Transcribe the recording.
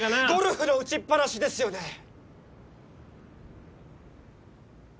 ゴルフの打ちっぱなしですよね？